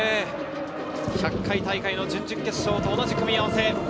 １００回大会の準々決勝と同じ組み合わせ。